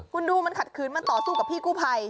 คุณดูมันขัดขืนมันต่อสู้กับพี่กู้ภัย